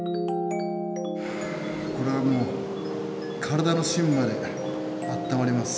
これはもう体の芯まで温まります。